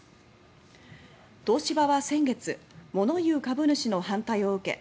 東芝は先月物言う株主の反対を受け